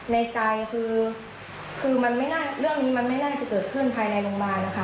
ในใจคือเรื่องนี้มันไม่น่าจะเกิดขึ้นภายในโรงพยาบาลนะคะ